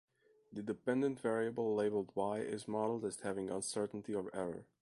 The dependent variable (labeled "y") is modeled as having uncertainty or error.